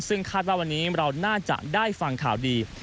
ซึ่งคาดว่าวันนี้เราน่าจะได้ฟังข่าวดี